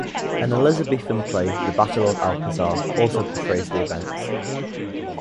An Elizabethan play "The Battle of Alcazar" also portrays the events.